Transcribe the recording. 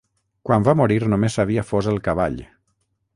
Quan va morir només s'havia fos el cavall.